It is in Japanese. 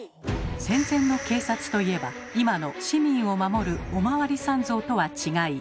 戦前の警察といえば今の市民を守るお巡りさん像とは違い。